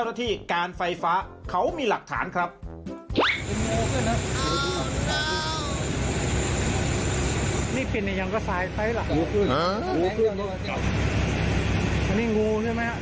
อันนี้งูอยู่ไหมฮะสายเรื่องงู